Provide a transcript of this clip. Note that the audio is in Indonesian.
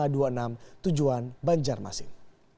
jt enam ratus dua puluh tujuan banjarmasin